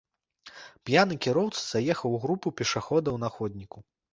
П'яны кіроўца заехаў у групу пешаходаў на ходніку.